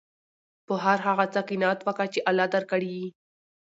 په هر هغه څه قناعت وکه، چي الله درکړي يي.